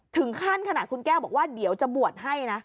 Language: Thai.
ถึงขั้นขนาดคุณแก้วบอกว่าเดี๋ยวจะบวชให้นะ